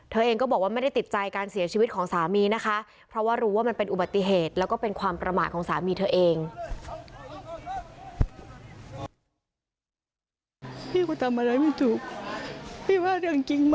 เองก็บอกว่าไม่ได้ติดใจการเสียชีวิตของสามีนะคะเพราะว่ารู้ว่ามันเป็นอุบัติเหตุแล้วก็เป็นความประมาทของสามีเธอเอง